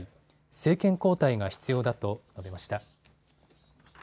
政権交代が必要だと述べました。